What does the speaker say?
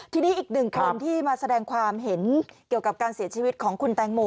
ทีนี้อีกหนึ่งคนที่มาแสดงความเห็นเกี่ยวกับการเสียชีวิตของคุณแตงโม